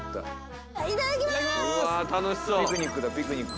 いただきます！